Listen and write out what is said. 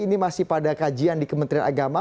ini masih pada kajian di kementerian agama